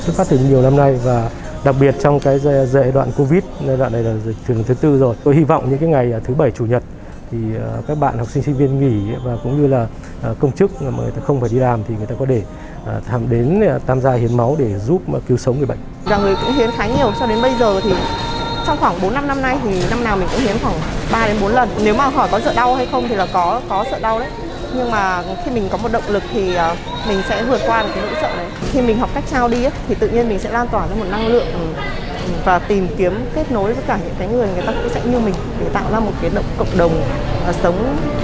mình sẽ vượt qua nỗi sợ này khi mình học cách trao đi thì tự nhiên mình sẽ lan tỏa cho một năng lượng và tìm kiếm kết nối với cả những người người ta cũng sẽ như mình để tạo ra một cái động cộng đồng sống nhân văn hơn sẻ siêng hơn